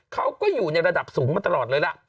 เขาก็อยู่ในระดับสูงมาตลอดเลยล่ะ